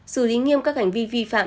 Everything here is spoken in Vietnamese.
xử lý nghiêm các hành vi vi phạm